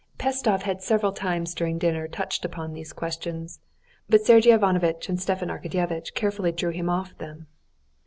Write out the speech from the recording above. Pestsov had several times during dinner touched upon these questions, but Sergey Ivanovitch and Stepan Arkadyevitch carefully drew him off them.